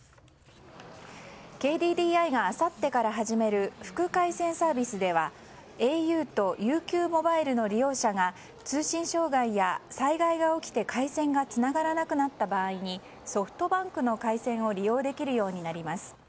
ＫＤＤＩがあさってから始める副回線サービスではａｕとＵＱモバイルの利用者が通信障害や災害が起きて回線がつながらなくなった場合にソフトバンクの回線を利用できるようになります。